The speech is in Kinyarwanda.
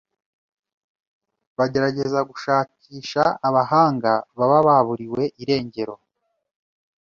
bagerageza gushakisha abahanga baba baburiwe irengero